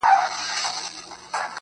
لکه د واړه گناهونو چي لامل زه یم~